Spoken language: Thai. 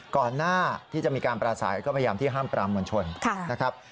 ก่อนหน้าที่จะมีการปราศัยก็พยายามที่ห้ามปรามมวลชนนะครับ